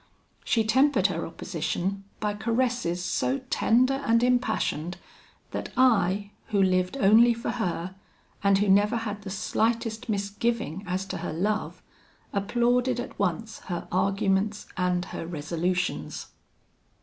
She tempered her opposition by caresses so tender and impassioned, that I, who lived only for her, and who never had the slightest misgiving as to her love, applauded at once her arguments and her resolutions.